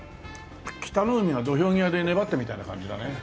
北の湖が土俵際で粘ってるみたいな感じだね。